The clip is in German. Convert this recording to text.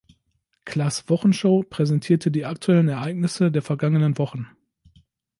Klaas' Wochenshow präsentierte die aktuellen Ereignisse der vergangenen Wochen.